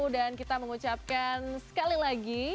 dan kita mengucapkan sekali lagi